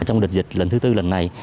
trong đợt dịch lần thứ tư lần này